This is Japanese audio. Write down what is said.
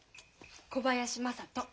小林雅人。